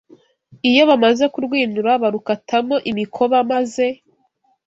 Iyo bamaze kurwinura barukatamo imikoba maze